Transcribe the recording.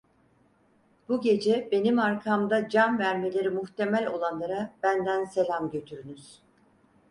Bu gece benim arkamda can vermeleri muhtemel olanlara benden selam götürünüz.